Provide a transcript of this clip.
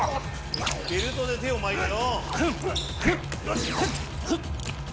ベルトで手を巻いて。